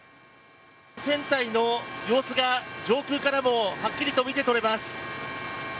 船体の様子が上空からもはっきりと見て取れます。